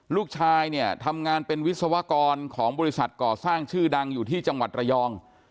ลูกชายเนี่ยทำงานเป็นวิศวกรของบริษัทก่อสร้างชื่อดังอยู่ที่จังหวัดระยอง